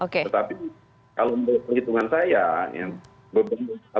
kalau menurut penghitungan saya